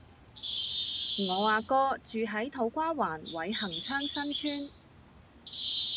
我阿哥住喺土瓜灣偉恆昌新邨